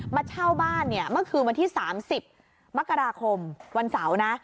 เช่าบ้านเนี่ยเมื่อคืนวันที่๓๐มกราคมวันเสาร์นะ